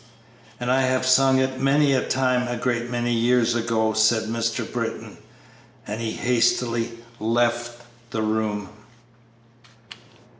"And I have sung it many a time a great many years ago," said Mr. Britton. And he hastily left the room.